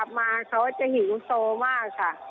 ต่อมาเขาจะหิงโซ่มากค่ะ